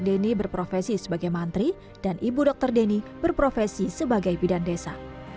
denny berprofesi sebagai mantri dan ibu dokter deni berprofesi sebagai bidan desa